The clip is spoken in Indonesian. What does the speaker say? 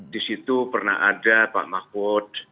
di situ pernah ada pak mahfud